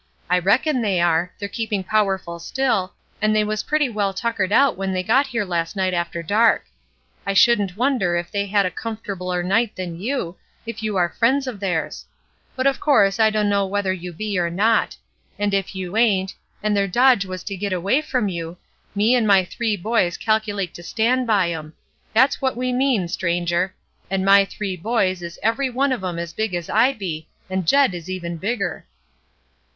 I reckon they are; they're keeping powerful still, and they was pretty well tuckered out when they got here last night after dark. I shouldn't wonder if they had had a comfortabler night than you, if you are friends of theirs; but of course I dunno whether you be, or not. And if you ain't, and their dodge was to git away from you, me and my three boys calculate to stan' by 'em; that's what we mean, stranger. And my three boys is every one of 'em as big as I be, and Jed is even bigger."